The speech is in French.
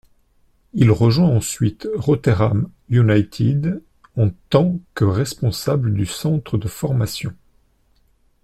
Il rejoint ensuite Rotherham United en tant que responsable du centre de formation.